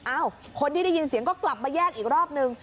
เอ้าคนที่ได้ยินเสียงก็กลับมาแยกอีกรอบนึง